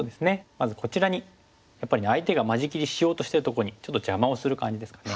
まずこちらにやっぱりね相手が間仕切りしようとしてるとこにちょっと邪魔をする感じですかね。